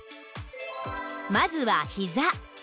まずはひざ